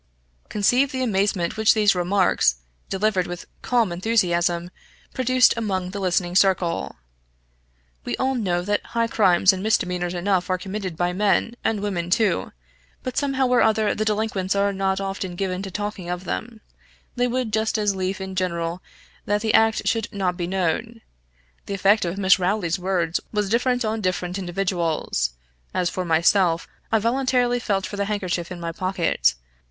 Conceive the amazement which these remarks delivered with calm enthusiasm produced among the listening circle. We all know that high crimes and misdemeanors enough are committed by men, and women too; but somehow or other the delinquents are not often given to talking of them; they would just as lief in general that the act should not be known. The effect of Miss Rowley's words was different on different individuals. As for myself, I involuntarily felt for the handkerchief in my pocket.